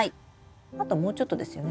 あともうちょっとですよね。